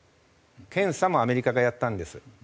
検査もアメリカがやったんです。